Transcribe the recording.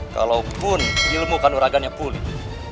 kalaupun ilmu kanuraganya pulih